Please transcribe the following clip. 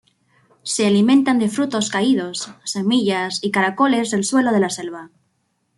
Se alimentan de frutos caídos, semillas y caracoles del suelo de la selva.